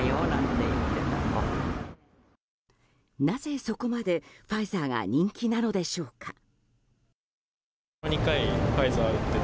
なぜそこまで、ファイザーが人気なのでしょうか。